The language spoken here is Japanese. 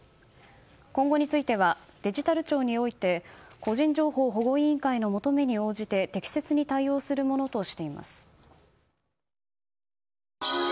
今後についてはデジタル庁において個人情報保護委員会の求めに応じて適切に対応するものとしています。